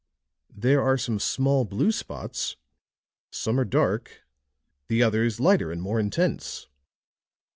"There are some small blue spots; some are dark, the others lighter and more intense."